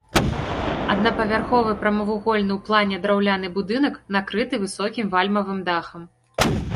Аднапавярховы прамавугольны ў плане драўляны будынак накрыты высокім вальмавым дахам.